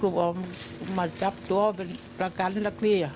ลูกออกมาจับตัวเป็นประกันที่ลักษณีย์